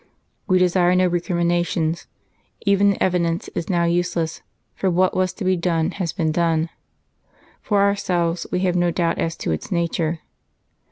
"We desire no recriminations. Even the evidence is now useless, for what was to be done has been done. For ourselves, we have no doubt as to its nature....